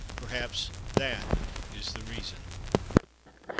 Perhaps that is the reason!